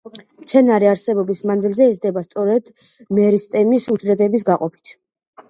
მცენარე არსებობის მანძილზე იზრდება სწორედ მერისტემის უჯრედების გაყოფით.